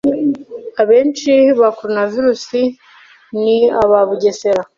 abenshi ba coronavirus ni abo mu Bugesera